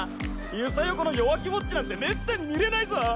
ユサヨコの弱気ウォッチなんて滅多に見れないぞ！